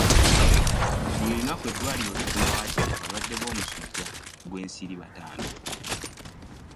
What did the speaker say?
Buli lunaku eddwaliro lifuna waakiri abalwadde b'omusujja gw'ensiri bataano.